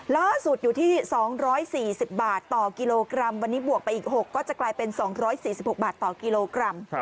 ล่าสุดอยู่ที่๒๔๐บาทต่อกิโลกรัมวันนี้บวกไปอีก๖ก็จะกลายเป็น๒๔๖บาทต่อกิโลกรัม